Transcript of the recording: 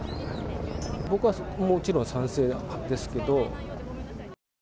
僕はもちろん賛成ですけど。